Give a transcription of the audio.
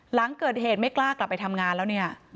หลังเกิดเหตุไม่กล้ากลับไปทำงานแล้วเนี่ย